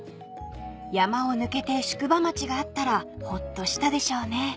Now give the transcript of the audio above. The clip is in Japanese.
［山を抜けて宿場町があったらほっとしたでしょうね］